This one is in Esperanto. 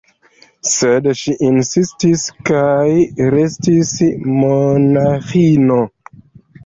Sed ŝi insistis kaj restis monaĥino.